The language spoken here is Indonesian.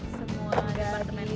semua udah di departemen